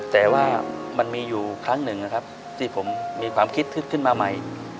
แต่ว่ามันมีอยู่ครั้งหนึ่งนะครับที่ผมมีความคิดขึ้นมาใหม่